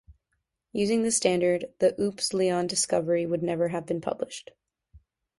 Using this standard, the Oops-Leon "discovery" would never have been published.